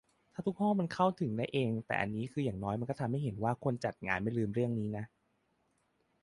ถ้าทุกห้องมันเข้าถึงได้เอง แต่อันนี้คืออย่างน้อยมันทำให้เห็นว่า คนจัดงานไม่ลืมเรื่องนี้นะ